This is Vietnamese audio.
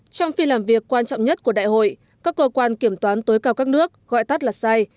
trong phiên làm việc quan trọng nhất của đại hội các cơ quan kiểm toán tối cao các nước gọi tắt là sai